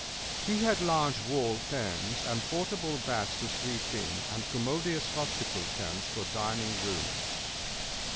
He had large wall tents and portable beds to sleep in, and commodious hospital tents for dining rooms.